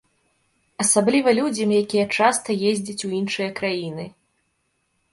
Асабліва людзям, якія часта ездзяць у іншыя краіны.